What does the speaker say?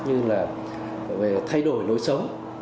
như là thay đổi lối sống